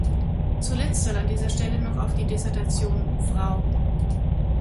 Zuletzt soll an dieser Stelle noch auf die Dissertation "Fr.